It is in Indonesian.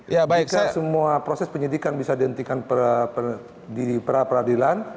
jika semua proses penyidikan bisa dihentikan di pra peradilan